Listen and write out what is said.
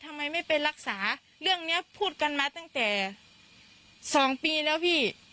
ทำไมไม่ไปรักษาเรื่องนี้พูดกันมาตั้งแต่๒ปีแล้วพี่